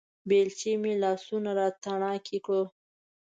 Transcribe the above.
بېلچې مې لاسونه راتڼاکې کړو